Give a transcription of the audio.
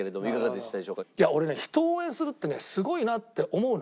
いや俺ね人を応援するってねすごいなって思うの。